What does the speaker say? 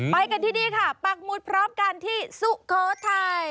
ไปกันที่นี่ค่ะปักหมุดพร้อมกันที่สุโขทัย